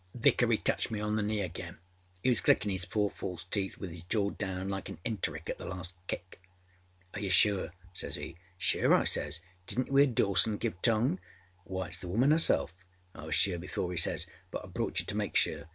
âVickery touched me on the knee again. He was clickinâ his four false teeth with his jaw down like an enteric at the last kick. âAre you sure?â says he. âSure,â I says, âdidnât you âear Dawson give tongue? Why, itâs the woman herself.â âI was sure before,â he says, âbut I brought you to make sure.